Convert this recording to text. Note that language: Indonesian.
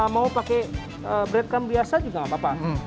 mau pakai breadcrumbs biasa juga tidak apa apa